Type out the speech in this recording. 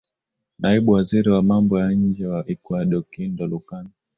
naibu waziri wa mambo ya nje wa ecuador kindo lukan